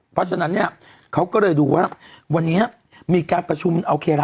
เพราะฉะนั้นเขาก็เลยดูว้าวันมีการประชุมมันโอเคล่ะ